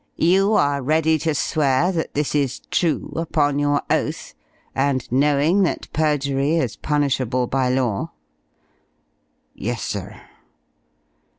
"You are ready to swear that this is true, upon your oath, and knowing that perjury is punishable by law?" "Yes, sir."